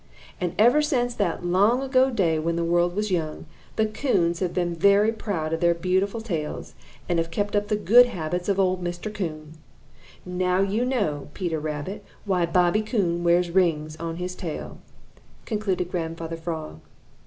And ever since that long ago day when the world was young, the Coons have been very proud of their beautiful tails and have kept up the good habits of old Mr. Coon. Now you know, Peter Rabbit, why Bobby Coon wears rings on his tail," concluded Grandfather Frog.